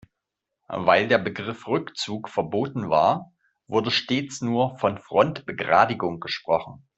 Weil der Begriff Rückzug verboten war, wurde stets nur von Frontbegradigung gesprochen.